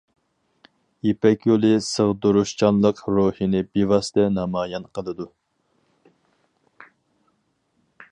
يىپەك يولى سىغدۇرۇشچانلىق روھىنى بىۋاسىتە نامايان قىلىدۇ.